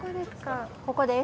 ここです。